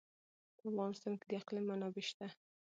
په افغانستان کې د اقلیم منابع شته.